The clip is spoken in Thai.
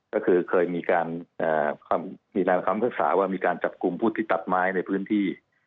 ก็คือเคยมีการคำภาษาว่ามีการจับกลุ่มผู้ที่ตัดไม้ในพื้นที่